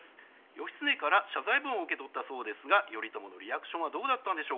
義経から謝罪文を受け取ったそうですが頼朝のリアクションはどうだったんでしょうか？』。